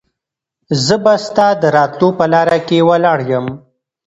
زه به ستا د راتلو په لاره کې ولاړ یم.